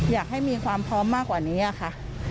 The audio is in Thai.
อยากให้มีความพร้อมมากกว่านี้ค่ะ